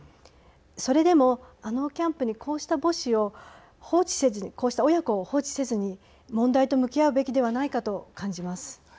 それでもあのキャンプにこうした母子を放置せずにこうした親子を放置せずに問題と向き合うべきではないかと感じます。